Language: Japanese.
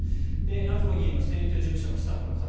東議員の選挙事務所のスタッフの方。